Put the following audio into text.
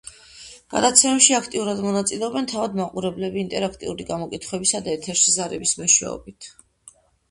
გადაცემებში აქტიურად მონაწილეობენ თავად მაყურებლები, ინტერაქტიული გამოკითხვების და ეთერში ზარების მეშვეობით.